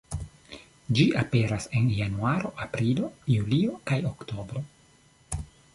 Ĝi aperas en Januaro, Aprilo, Julio kaj Oktobro.